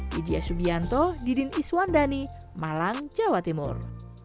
widya subianto didin iswandani malang jawa timur